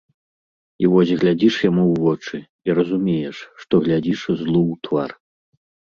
І вось глядзіш яму ў вочы, і разумееш, што глядзіш злу ў твар.